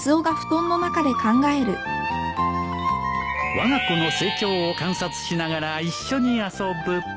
わが子の成長を観察しながら一緒に遊ぶ